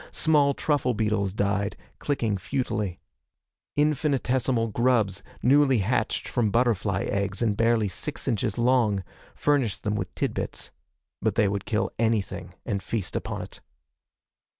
Small truffle beetles died, clicking futilely. Infinitesimal grubs, newly hatched from butterfly eggs and barely six inches long, furnished them with tidbits. But they would kill anything and feast upon it.